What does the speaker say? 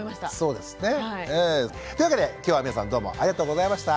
そうですね。というわけで今日は皆さんどうもありがとうございました。